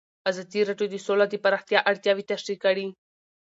ازادي راډیو د سوله د پراختیا اړتیاوې تشریح کړي.